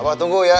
abah tunggu ya